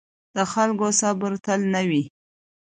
د خلکو صبر تل نه وي